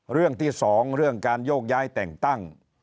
เรื่องที่๒เรื่องการโยกย้ายแต่งตั้ง